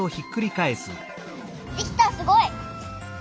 できたすごい！